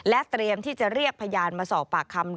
เตรียมที่จะเรียกพยานมาสอบปากคำ